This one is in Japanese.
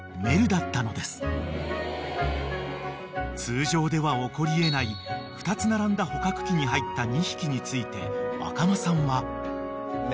［通常では起こり得ない２つ並んだ捕獲器に入った２匹について赤間さんは］